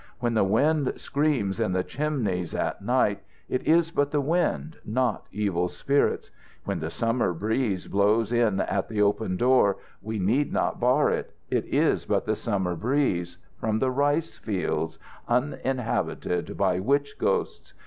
"When the wind screams in the chimneys at night, it is but the wind, not evil spirits. When the summer breeze blows in at the open door, we need not bar it. It is but the summer breeze from the rice fields, uninhabited by witch ghosts.